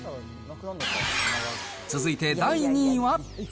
続いて第２位は。